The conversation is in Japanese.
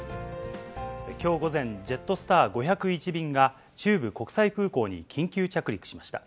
きょう午前、ジェットスター５０１便が中部国際空港に緊急着陸しました。